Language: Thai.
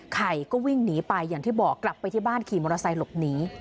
ไข่ก็วิ่งหนีไปอย่างที่บอกกลับไปที่บ้านขี่มอเตอร์ไซค์หลบหนี